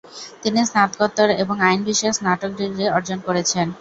তিনি স্নাতকোত্তর এবং আইন বিষয়ে স্নাতক ডিগ্রি অর্জন করেছেন।